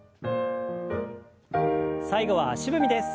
最後は足踏みです。